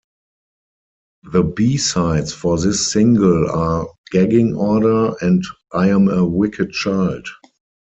The B-sides for this single are "Gagging Order" and "I Am a Wicked Child".